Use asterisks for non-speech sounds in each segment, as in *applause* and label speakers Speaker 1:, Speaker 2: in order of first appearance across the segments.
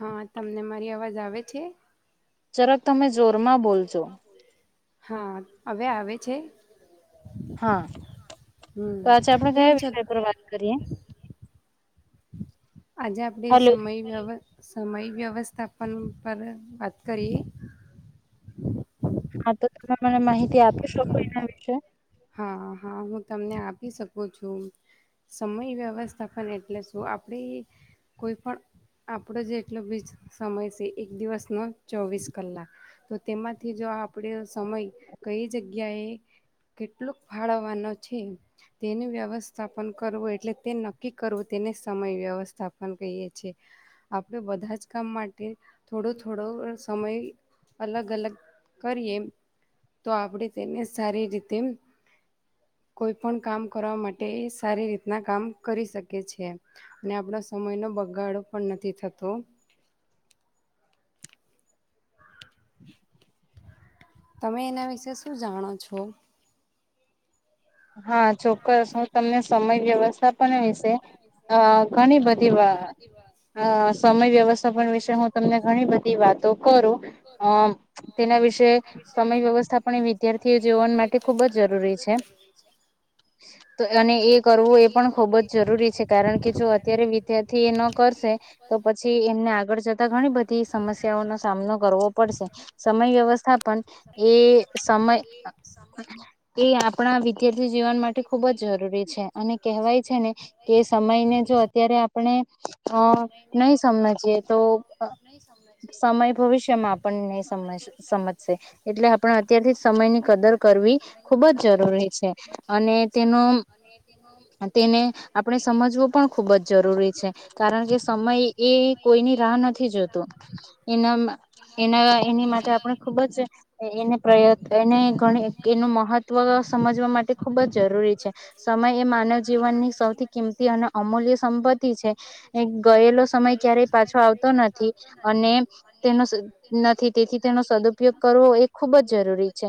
Speaker 1: હા તમને મારી અવાજ જાવ છે
Speaker 2: જરાક તમે જોરમાં બોલજો
Speaker 1: હા હવે આવે છે
Speaker 2: હા તો આજે આપણે કયા વિષય પર વાત કરીએ
Speaker 1: આજે આપડે સમય હવે સમય વ્યવસ્થાપન પર વાત કરીએ
Speaker 2: હા તો તમે મને માહિતી આપી શકો એના વિશે
Speaker 1: હા હા હું તમને આપી શકું છું સમય વ્યવસ્થા પણન એટલે શું આપણે કોઈ પણ આપણો જેટલો બી સમય છે એક દિવસનો ચોવીસ કલાક તો તેમાંથી જો આપણે સમય કઈ જગ્યાએ કેટલુંક ફાળવવાનો છે તેનું વ્યવસ્થાપન કરવું એટલે તે નક્કી કરવું તેને સમય વ્યવસ્થાપન કહીએ છી આપણે બધા જ કામ માટે થોડો થોડો સમય અલગ અલગ કરીએ તો આપણે તેને સારી રીતે કોઈ પણ કામ કરવા માટે સારી રીતના કામ કરી શકે છે અને આપણા સમય ન બગાડો પણ નથી થતો તમે એના વિશે શું જાણો છો
Speaker 2: હા ચો ું તમને સમય વ્યવસ્થાપન વિશે અ ઘણી બધી વા સમય વ્યવસ્થાપન વિશે હું તમને ઘણી બધી વાતો કરું અ તેના વિશે સમય વ્યવસ્થાપન વિદ્યાર્થીઓ જીવન માટે ખૂબ જ જરૂરી છે
Speaker 1: *unintelligible*
Speaker 2: અને એ કરવું એ પણ ખૂબ જ જરૂરી છે કારણ કે જો અત્યારે વિદ્યાર્થી એ ન કરશે તો પછી એમને આગળ જતા ઘણી બધી સમસ્યાઓનો સામનો કરવો પડશે સમય વ્યવસ્થાપન એ સમય એ આપણા વિદ્યાર્થી જીવન માટે ખૂબ જ જરૂરી છે અને કહેવાય છે ને કે સમયને જો અત્યારે આપણે *unintelligible* અ નહી સમજીએ તો સમય ભવિષ્યમાં આપણ નહી સમજ સમજશે એટલે આપણે અત્યારથી સમય ની કદર કરવી ખુબ જ જરૂરી છે
Speaker 1: ખુબ જ જરૂરી છે અને તે તેને આપણે સમજવું પણ ખુબ જ જરૂરી
Speaker 2: કારણ કે સમય એ કોઈની રાહ નથી જોતો એના એના એની માટે આપણે ખુબ જ એને પ્રય એનેણી એનું મહત્વ સમજ વા માટે ખૂબ જ જરૂરી છે સમય એ માનવ જીવનની સૌથી કિંમતી અને અમૂલ્ય સંપત્તિ છે ગયેલો સમય ક્યારેય પાછો આવતો નથી અને તેનો નથી તેથી તેનો સદઉપયોગ કરવો એ ખુબ જ જરૂરી છે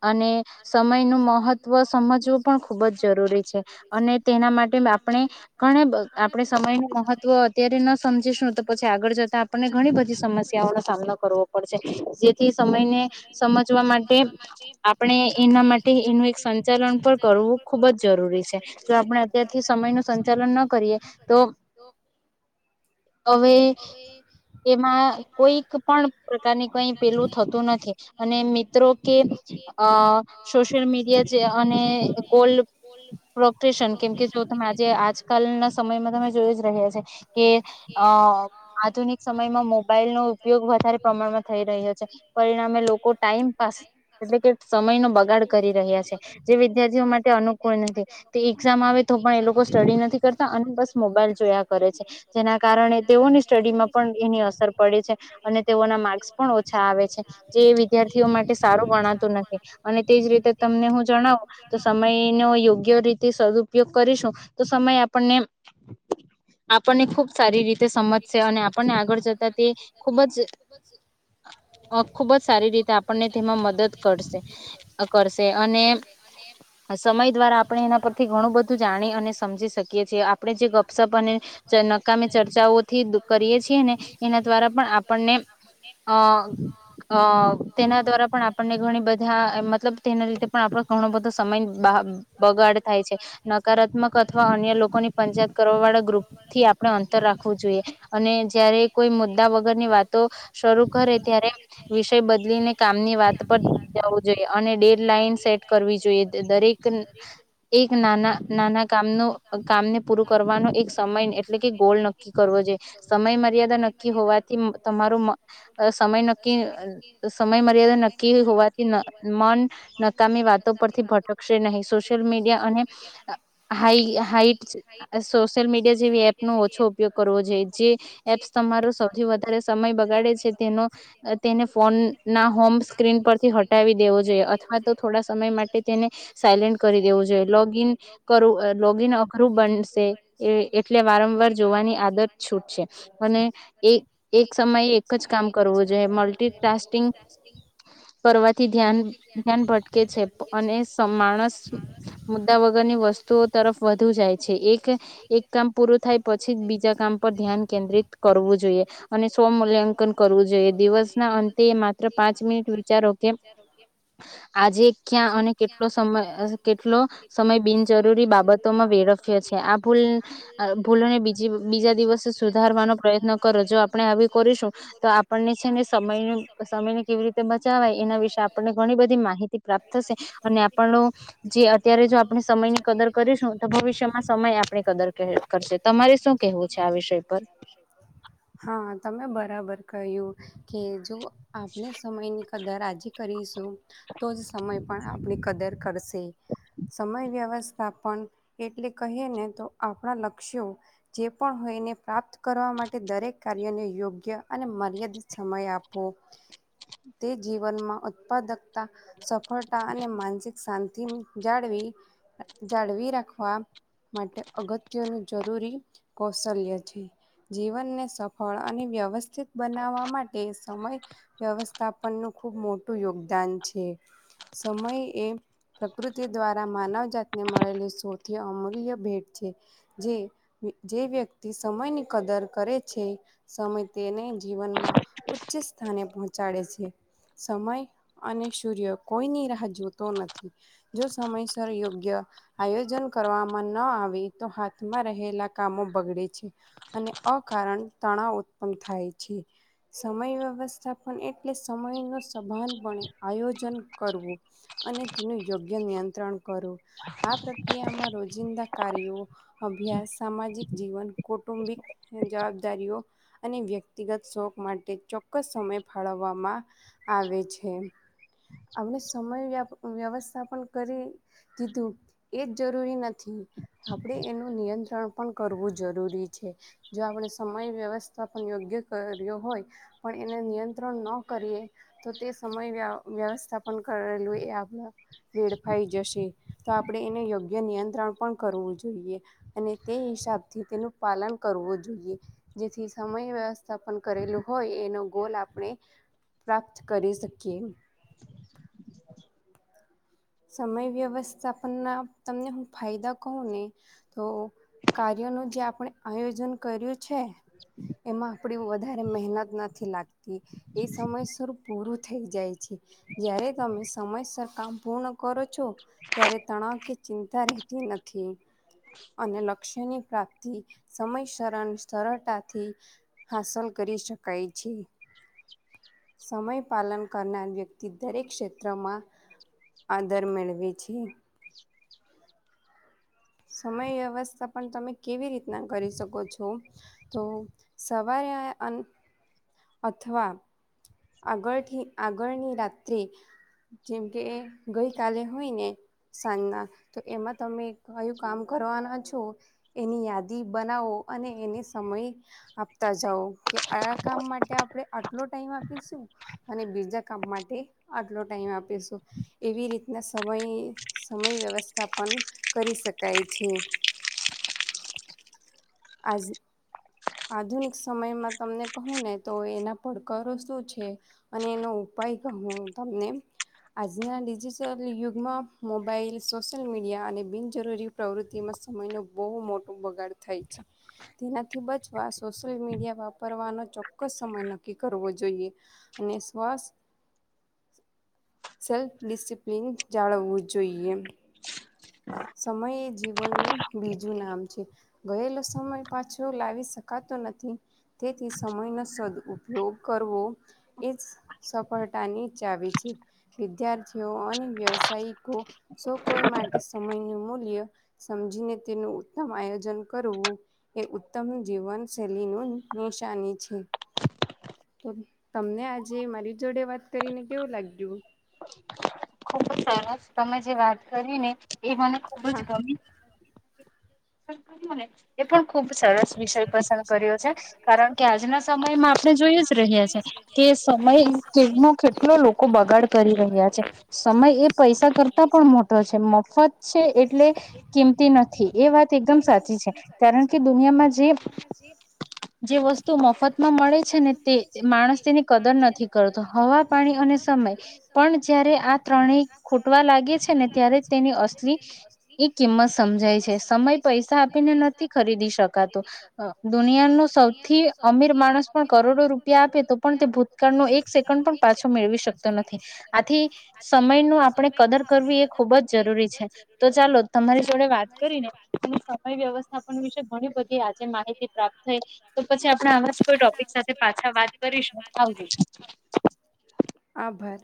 Speaker 2: અને સમયનુંું મહત્વ સમજવું પણ ખૂબ જ જરૂરી છે અને તેના માટે આપણે ઘણે આપણે સમય મહત્વ અત્યારે ન સમજીશું તો પછી આગળ જતા આપણને ઘણી બધી સમસ્યાઓનોો સામનો કરવો પડશે જેથી સમયને સમજવા માટે આપણે એના માટે એનું એક સંચાલન પર કરવું ખુબ જ જરૂરી છે જો આપણે અત્યારથી સમય નું સંચાલન ન કરીએ તો હવે એમાં કોઈક પણ પ્રકારની કઈ પેલું થતું નથી અને મિત્રો કે અ સોશિયલ મીડિયા અને ગલ પ્રોપશન કેમકે જો તમે આજે આજકાલના સમયમાં તમે જોય છે કે અ આધુનિક સમયમાં મોબાઈલ નો ઉપયોગ વધારે પ્રમાણમાં થઈ રહ્યો છે પરિણામે લોકો ટાઈમ પાાસ એટલે કે સમય નો બગાડ કરી રહ્યા છે જે વિદ્યાર્થીઓ માટે અનુકૂળ નથી તે એક્ઝામ આવે તો પણ એ લોકો સ્ટડી નથી કરતા અને બસ મોબાઈલ જેના કારણે તેઓની સ્ટડીમાં પણ એની અસર પડે છે અને તેઓના માર્ક્સ પણ ઓછા આવે છે જે વિદ્યાર્થીઓ માટે સારું ગણાતું નથી અને તેજ રીતે તમને જણાવો તો સમય નો યોગ્ય સદપયોગ કરીશું તો સમય આપણને આપણને ખુબ સારી રીતે તે સમજશે અને આપણને આગળ જતા તે ખૂબ જ ખૂબ જ સારી રીતે આપણને તેમાં મદદ કરશે કરશે અને સમય દ્વારા આપણે એના પરથી ઘણું બધું જાણી અને સમજી શકીએ છીએ આપણે જે ગપસપ અને નકમે ચર્ચા થી કરીએ છીએ ને એના દ્વારા પણ આપણને અ અ તેના દ્વારા પણ આપણને ઘણી બધા મતલબ તેના લીધે પણ આપ સમય બગાડ થાય છે નકારાત્મક અથવા અન્ય લોકોની પંચાયત કરવા વાળા ગ્રુપ થી આપણે અંતરખ જોઈએ અને જારે કોઈ મુદ્દા વગરની વાતો શરૂ કરે ત્યારે વિષય બદલીને કામની વાત પર જું જોઈએ અને ડેડ લઇન સેટ જોઈ દરેક એક ના નાના કામનો કામને પૂરું કરવાનો એક સમય એટલે કે ગોલ ન કરવો જોઈએ સમય મર્યાદા નક્કી હોવાથી તમારો સમય નક્કી સમય મર્યાદા નક્કી હોવાથી મન વાતો પરથી ભટકશે નહી સોશિયલ મીડિયા અને સોશિયલ મીડિયા જેવી એપ ન ઓછો કરવો જોઈ જે એપ્સ તમારો સૌથી વધારે સમય બગાડે છે તેનો તેને ફોન ના હોમ સ્ક્રીન પરથી હટાવી દેવો જોઈએ અથવા તો થોડા સમય માટે તેને સાયલેન્ટ કરી દેવું જોઈએ લોગન કરું લોગિન અઘરું બનશે એટલે વારંવાર જોવાનું ની આદત છૂટ છે અને એક સમયે એક જ કામ કરવું જોઈએ મલ્ટીાસિંગ કરવાથીન છે અને માણસ મુદ્દા વગરની વસ્તુઓ તરફ વધુ જાય છે એક એક કામ પૂરું થાય પછી કામ પર ધ્યાન કેન્દ્રિત કરવું જોઈએ અને સ્વ મૂલ્યાંકન કરવું જોઈએ દિવસના અંતે એ માત્ર પાંચ મિનિટ વિચારો કે જે ક્યાં અને કેટલો સમય કેટલો સમય બિનજરૂરી બાબતોમાં વેરવ્યો છે આ ભૂલ ભૂલને બીજી બીજા દિવસે સુધારવાનો પ્રયત્ન કરો જો આપણે આવી કરીશું તો આપણને છે ને સમય સમયને કેવી રીતે બચવાય એના વિશે આપણને ઘણી બધી માહિતી પ્રાપ્ત થશે અને આપણ જે અત્યારે જો આપણે સમયની કદર કરીશું તો ભવિષ્યમાં સમય આપણી કદર કરશે તમારી
Speaker 1: હા તમે બરાબર કયું કે જો આપને સમય નની કદર આજે કરીશું તો જ સમય પણ આપણી કદર કરશે સમય વ્યવસ્થા પણ એટલે કહીએ ને તો આપણા લક્ષ્યો જે પણ હોયને પ્રાપ્ત કરવા માટે દરેક કાર્યને યોગ્ય અને મર્યાદિત સમય આપવો તે જીવનમાં ઉત્પાદકતા સફળટા અને માનસિક શાંતિ જાળવી જાળવી રાખવા માટે અગત્યની જરૂરી કૌશલ્ય છે જીવનને સફળ અને વ્યવસ્થ શ બનાવવા માટે સમય વ્યવસ્થાપન નું ખૂબ મોટું યોગદાન છે સમય એ પ્રકૃતિ દ્વારા માનવજતને મળેલી સૌથી અમૂલ્ય ભેટ છે જે જે વ્યક્તિ સમયની કદર કરે છે સમય તેને જીવનમાં ઉચ્ચ સ્થાને પહોંચાડે છે સમય અને સૂર્ય કોઈની રાહ જોતો નથી જો સમયસર યોગ્ય આયોજન કરવામાં ન આવે તો હાથમાં રહેલા કામો બગડે છે અને અકારણ તણાવ ઉત્પન્ન થાય છે સમય વ્યવસ્થાપન એટલે સમય ન સભાનપણે આયોજન કરવું અને તેનું યોગ્ય નિયંત્રણ કરવું આ પ્રક્રિયામાં રોજિંદા કાર્યો અભ્યાસ સામાજિક જીવન કૌટુંબિક જવાબદારીઓ અને વ્યક્તિગત શોખ માટે ચોક્કસ સમય ફાળવવામાં આવે છે આપણે સમય વ્યવસ્થાપન કરી દીધું એ જ જરૂરી નથી આપણે એનું નિયંત્રણ કરવું જરૂરી છે જો આપણે સમય વ્યવસ્થાપન યોગ્ય કર્યો હોય પણ એને નિયંત્રણ ન કરીએ તો તે સમય વ્યવસ્થાપન કરેલું એ આપણા વેડફાઈ જશે તો આપણે એને યોગ્ય નિયંત્રણ પણ કરવું જોઈએ અને તે હિસાબથી તેનું પાલન કરવું જોઈએ જેથી સમય વ્યવસ્થાપન કરેલું હોય એનો ગોલ આપણે પ્રાપ્ત કરી શકીએ સમય વ્યવસ્થાપ ના તમને હું ફાયદા કહું ને તો કાર્ય ન જે આપણે આયોજન કર્યું છે એમાં આપડી વધારે મહેનત નથી લાગતી એ સમયસર પૂરું થઈ જાય છે જયારે તમે સમયસર કામ પૂર્ણ કરરો ત્યારે તણાવ ચિંતા રહેતી નથી અને લક્ષ્યની પ્રાપ્તિ સમયસરણ સરળતાથી હાસલ કરી શકાય છે સમય પાલન કરનાર વ્યક્તિ દરેક ક્ષેત્રમાં આદર મેળવી છે
Speaker 2: *unintelligible*
Speaker 1: સમય વ્યવસ્થા પણ તમે કેવી રીતના કરી શકો છો તો સવારે અથવા આગળથી આગળની રાત્રે જેમ કે ગઈ કલે હોય ને સાંજના તો એમાં તમે કયું કામ કરવાના છો એની યાદી બનાવો અને એની સમય આપતા જઓ કે આ કામ માટે આપણે એટલો ટાઈઇમ શું અને બીજા કામ માટે આટલો ટાઈમ આપીશું એવી રીતના સમય સમય વ્યવસ્થા પણ કરી શકાય છે. આઝ આધુનિક સમયમાં તમને કહું ને તો એના પડકારો શું છે અને એનો ઉપાય કહું તમને આજના ડિજિટલ યુગમાં મોબાઈલ સોશલ મીડિયા અને બિનજરૂરી પ્રવૃત્તિમાં સમય ન બહુ મોટો બગાડ થાય છે તેનાથી બચ ના સોશિયલ મીડિયા વાપરવાનો ચોક્કસ સમય નક્કી કરવો જોઈએ અને શસ સેલ્ફ ડિસિપ્લિન જાળવવું જોઈએ. સમય એ જીવનનું બીજું નામ છે ગયેલો સમય પાછો લાવી શકાતો નથી. તેથી સમયને સદ ઉપ ઉપયોગ કરવો એજ સફળતાની ચાવી છે વિદ્યાર્થીઓ અને વ્યવસાયિકો સ કોઈ માટે કે સમય નુ મૂલ્ય સમજીને તેનું ઉત્તમ આયોજન કરવું એ ઉત્તમ જીવન શૈલીનું નિશાની છે તમને આજે મારી જોડે વાત કરીને કેવું લાગ્યું.
Speaker 2: ખબર સરસ તમે જે વાત કરીને એ મને ખુબ જ ગમી મને એ પણ ખુબ સરસ વિષય પસંદ કર્યો છે કારણ કે આજના સમયમાં આપણે જોય જ રહહી્યા છે કે સમયમાં કેટલો લોકો બગાડ કરી રહ્યા છે સમય એ પૈસા કરતા પણ મોટો છે મફત છે એટલે કિંમતી નથી એ વાત એકદમ સાચી કારણ કે દુનિયા જે જે વસ્તુ મફતમાં મળે છે ને તે માણસ તેની કદર નથી કરતો હવા પાણી અને સમય પણ જય્યારે આ ત્રણેય ખૂટવા લાગે છે ને ત્યારે તેની અસલી એ કિંમત સમજાય છે સમય પૈસા આપીને નથી ખરીદી દુનિયાનો સૌથી અમીર માણસ પણ કરોડો રૂપિયા આપે તો પણ તે ભૂતકાળ ન એક સેકન્ડ પણ પાછો મેળવી શકતો નથી આથી સમય ન આપણે કદર કરવી એ ખુબ જ જરૂરી છે તો ચાલો તમારી જોડે વાત કરીને વ્યવસ્થાપન વિશે આજે માહિતી પ્રાપ્ત થઈ તો પછી આપણે આવા કોઈ ટોપિક સાથે પાછા વાત કરીશું આવજો
Speaker 1: આભર